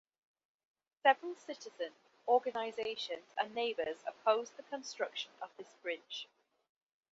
Several citizen organizations and neighbors opposed the construction of this bridge.